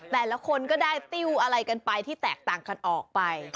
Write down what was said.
แต่ละคนก็ได้ติ้วอะไรกันไปที่แตกต่างกันออกไป